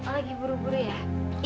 oh lagi buru buru ya